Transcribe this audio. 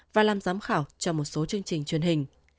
và làm giám khảo trong một số chương trình truyền hình